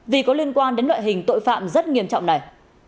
vì có liên quan đến loại hình tội phạm rất nghiêm trọng này